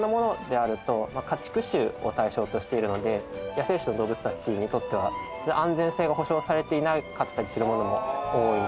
家畜種を対象としてるので野生種の動物たちにとっては安全性が保障されていなかったりするものも多い。